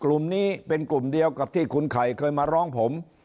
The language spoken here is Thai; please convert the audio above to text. กลุ่มนี้เป็นกลุ่มเดียวกับที่คุณไข่เคยมาร้องผม